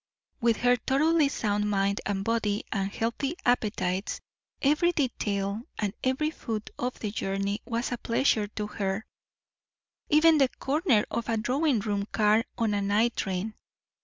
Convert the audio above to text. With her thoroughly sound mind and body and healthy appetites, every detail and every foot of the journey was a pleasure to her; even the corner of a drawing room car on a night train.